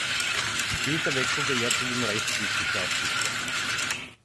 Später wechselte er zu den Rechtswissenschaften.